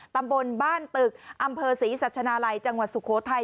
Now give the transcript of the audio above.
ตำบลบ้านตึกอำเภอศรีสัชนาลัยจังหวัดสุโขทัย